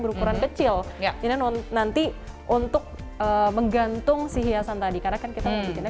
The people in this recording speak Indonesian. berukuran kecil ya tidak non nanti untuk menggantung sih hiasan tadi karena kan kita